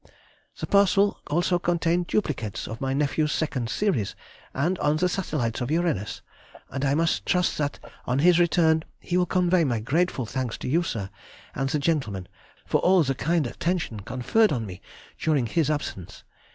The parcel also contained duplicates of my nephew's second series, and on the satellites of Uranus, and I must trust that on his return he will convey my grateful thanks to you, sir, and the gentlemen, for all the kind attention conferred on me during his absence.